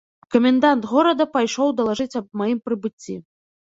Камендант горада пайшоў далажыць аб маім прыбыцці.